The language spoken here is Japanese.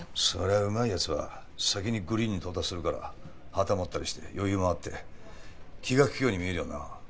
そりゃうまいやつは先にグリーンに到達するから旗持ったりして余裕があって気が利くように見えるよな。